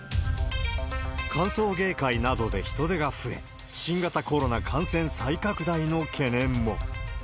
歓送迎会などで人出が増え、新型コロナ感染再拡大の懸念も。